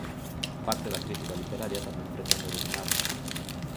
Parte da crítica literaria tamén pretende dominarnos.